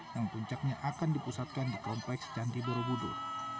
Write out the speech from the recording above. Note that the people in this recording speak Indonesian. yang puncaknya akan dipusatkan di kompleks candi borobudur